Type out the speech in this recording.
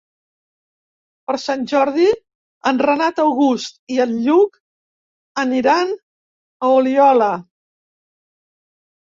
Per Sant Jordi en Renat August i en Lluc aniran a Oliola.